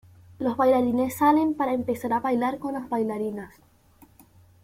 Los bailarines salen para empezar a bailar con las bailarinas.